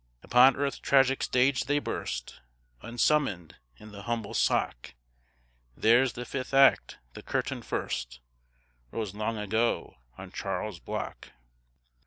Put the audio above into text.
Upon earth's tragic stage they burst Unsummoned, in the humble sock; Theirs the fifth act; the curtain first Rose long ago on Charles's block.